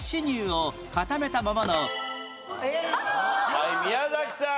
はい宮崎さん。